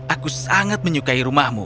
aku sangat menyukai rumahmu